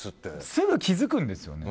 すぐ気付くんですよね